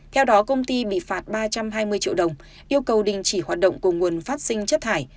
theo đó công ty bị phạt ba trăm hai mươi triệu đồng yêu cầu đình chỉ hoạt động của nguồn phát sinh chất thải